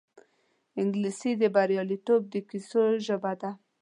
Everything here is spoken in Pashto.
انګلیسي د بریالیتوب د کیسو ژبه ده